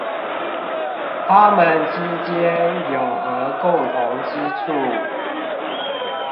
它們之間有何共同之處？